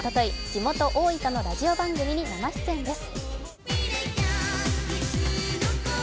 地元のラジオ番組に生出演です。